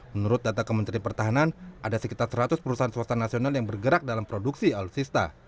menurut data kementerian pertahanan ada sekitar seratus perusahaan swasta nasional yang bergerak dalam produksi alutsista